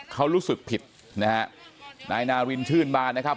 เขารู้สึกผิดนะฮะนายนารินชื่นบานนะครับ